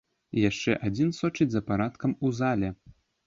Яшчэ адзін сочыць за парадкам у зале.